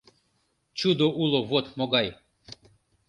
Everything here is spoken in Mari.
Чудо уло вот могай.